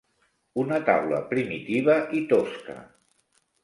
Una taula primitiva i tosca.